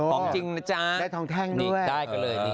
ของจริงนะจ๊ะได้ทองแท่งด้วย